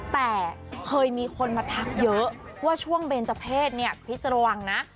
แต่เคยมีคนมาทักเยอะว่าช่วงเบนเจอร์เพศเนี่ยคริสระวังนะ